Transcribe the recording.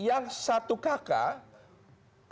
yang satu kakak